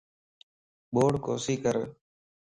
ٻوڙَ ڪوسي ڪر